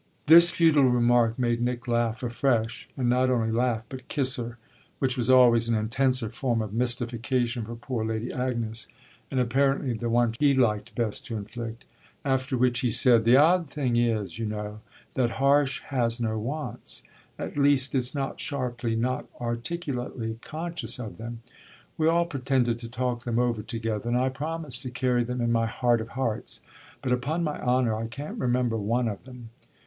This futile remark made Nick laugh afresh, and not only laugh, but kiss her, which was always an intenser form of mystification for poor Lady Agnes and apparently the one he liked best to inflict; after which he said: "The odd thing is, you know, that Harsh has no wants. At least it's not sharply, not articulately conscious of them. We all pretended to talk them over together, and I promised to carry them in my heart of hearts. But upon my honour I can't remember one of them.